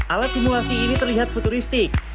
alat simulasi ini terlihat futuristik